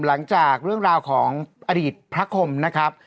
หลังจากเรื่องราวของอดีตพระคมนะครับ